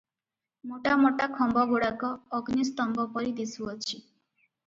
ମୋଟା ମୋଟା ଖମ୍ବଗୁଡ଼ାକ ଅଗ୍ନିସ୍ତମ୍ବ ପରି ଦିଶୁଅଛି ।